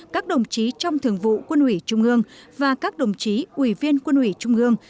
các đồng chí trong thường vụ quân ủy trung ương và các đồng chí ủy viên quân ủy trung ương